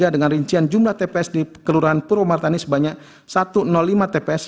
dengan rincian jumlah tps di kelurahan purwomartani sebanyak satu ratus lima tps